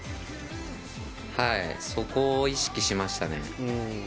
そこを意識しましたね。